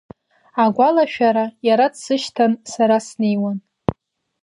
Агәалашәара Иара дсышьҭан, сара снеиуан…